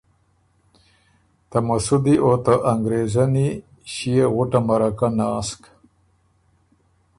ته مسُودی او ته انګرېزنی ݭيې غُټه مَرَکۀ ناسک